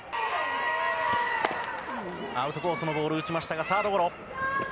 アウトコースのボール、打ちましたが、サードゴロ。